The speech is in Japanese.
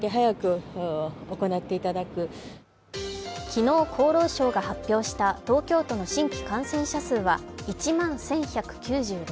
昨日、厚労省が発表した東京都の新規感染者数は１万１１９６人。